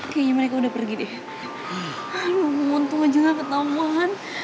kayaknya mereka udah pergi deh